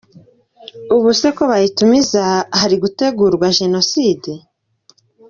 Ubu se ko bayitumiza hari gutegurwa Jenoside?